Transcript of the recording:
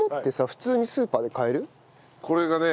これがね。